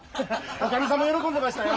おかみさんも喜んでましたよ。